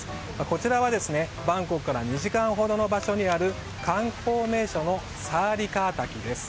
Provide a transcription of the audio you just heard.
こちらは、バンコクから２時間ほどの場所にある観光名所のサーリカー滝です。